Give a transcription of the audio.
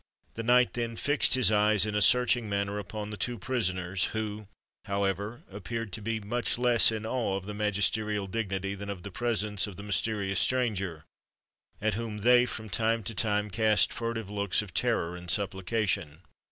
The knight then fixed his eyes in a searching manner upon the two prisoners, who, however, appeared to be much less in awe of the magisterial dignity than of the presence of the mysterious stranger, at whom they from time to time cast furtive looks of terror and supplication.